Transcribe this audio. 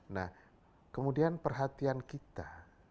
nah kemudian perhatian kita